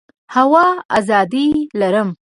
هو، آزادي لرم